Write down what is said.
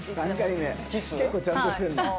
結構ちゃんとしてるんだな。